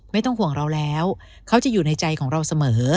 ไม่ต้องห่วงเราแล้วเขาจะอยู่ในใจของเราเสมอ